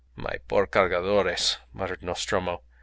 "My poor Cargadores!" muttered Nostromo.